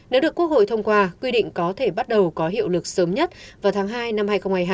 nếu được quốc hội thông qua quy định có thể bắt đầu có hiệu lực sớm nhất vào tháng hai năm hai nghìn hai mươi hai